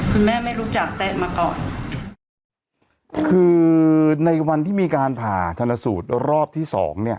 ไม่รู้จักแต๊ะมาก่อนคือในวันที่มีการผ่าชนสูตรรอบที่สองเนี่ย